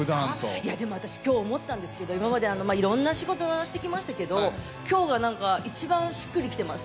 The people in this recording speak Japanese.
でも私、今日思ったんですけど今までいろんな仕事をやらせてもらってましたけど今日が一番しっくりきてます。